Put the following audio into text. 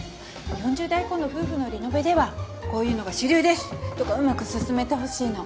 ４０代以降の夫婦のリノベではこういうのが主流です！とかうまくすすめてほしいの。